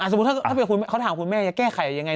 สมมุติถ้าเขาถามคุณแม่จะแก้ไขยังไง